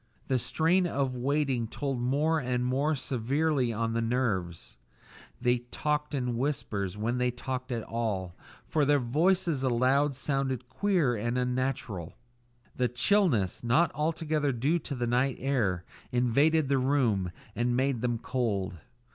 The strain of waiting told more and more severely on the nerves; they talked in whispers when they talked at all, for their voices aloud sounded queer and unnatural. A chilliness, not altogether due to the night air, invaded the room, and made them cold.